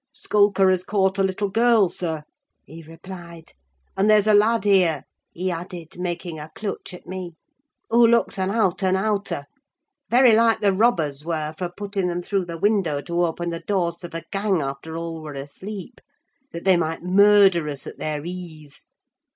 'Skulker has caught a little girl, sir,' he replied; 'and there's a lad here,' he added, making a clutch at me, 'who looks an out and outer! Very like the robbers were for putting them through the window to open the doors to the gang after all were asleep, that they might murder us at their ease.